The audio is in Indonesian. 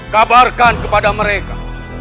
kabarkan kepada mereka